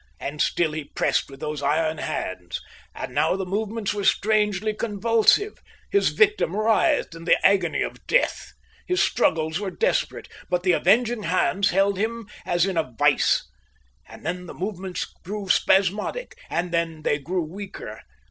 And still he pressed with those iron hands. And now the movements were strangely convulsive. His victim writhed in the agony of death. His struggles were desperate, but the avenging hands held him as in a vice. And then the movements grew spasmodic, and then they grew weaker.